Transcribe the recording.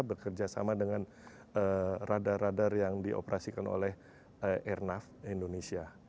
bekerja sama dengan radar radar yang dioperasikan oleh airnav indonesia